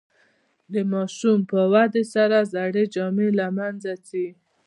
د ماشوم په ودې سره زړې جامې له منځه ځي.